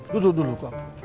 duduk dulu kau